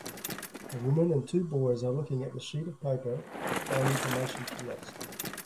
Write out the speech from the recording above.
A woman and two boys are looking at a sheet of paper by an information kiosk.